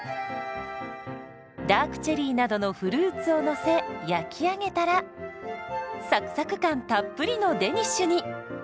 ダークチェリーなどのフルーツをのせ焼き上げたらサクサク感たっぷりのデニッシュに。